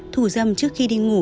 thủ dâm trước khi đi ngủ